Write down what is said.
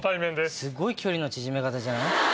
すごい距離の縮め方じゃない？